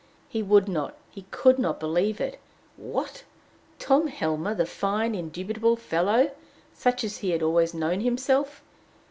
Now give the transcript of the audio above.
He would not, he could not believe it. What! Tom Helmer, the fine, indubitable fellow! such as he had always known himself!